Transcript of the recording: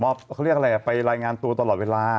เขาเรียกอะไรไปรายงานตัวตลอดเวลา